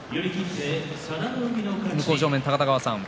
向正面高田川さん